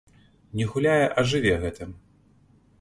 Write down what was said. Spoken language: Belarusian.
Не гуляе, а жыве гэтым.